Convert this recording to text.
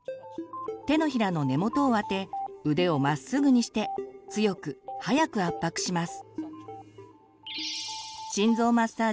手のひらの根元を当て腕をまっすぐにして強く早く圧迫します。